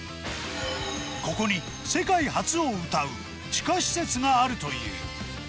ここに、世界初をうたう地下施設があるという。